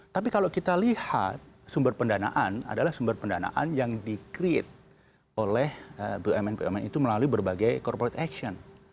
tapi kalau kita lihat sumber pendanaan adalah sumber pendanaan yang di create oleh bumn bumn itu melalui berbagai corporate action